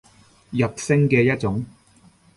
入聲嘅一種